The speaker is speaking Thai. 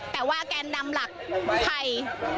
แต่ว่าแกนดำหลักใคร